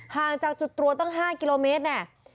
ห่างจากจุดตรวจตั้ง๕กิโลเมตรแน่